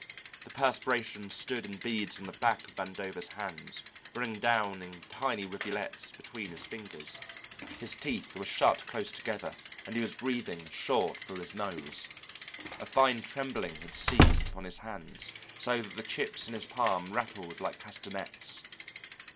The perspiration stood in beads on the back of Vandover's hands, running down in tiny rivulets between his fingers, his teeth were shut close together and he was breathing short through his nose, a fine trembling had seized upon his hands so that the chips in his palm rattled like castanets.